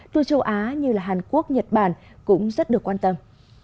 tour châu á như hàn quốc nhật bản cũng rất được quan tâm